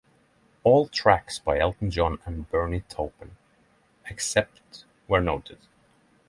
All tracks by Elton John and Bernie Taupin, except where noted.